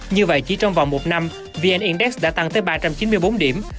như vậy chỉ trong vòng một năm vn index đã tăng tới ba trăm chín mươi bốn điểm